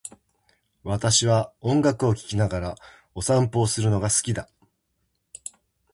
私は音楽を聴きながらお散歩をするのが好きだ。